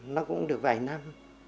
nó cũng được vài năm